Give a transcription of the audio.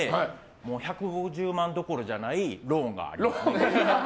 １５０万どころじゃないローンがある。